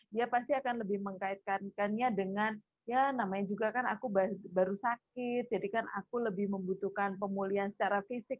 dia pasti akan lebih mengkaitkannya dengan ya namanya juga kan aku baru sakit jadi kan aku lebih membutuhkan pemulihan secara fisik